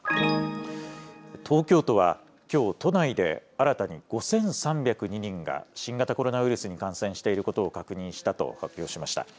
東京都は、きょう都内で新たに５３０２人が、新型コロナウイルスに感染していることを確認したと発表しました。